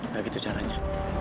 gak gitu caranya